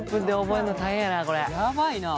やばいな！